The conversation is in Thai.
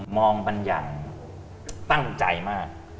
มองบรรยันตั้งใจมาก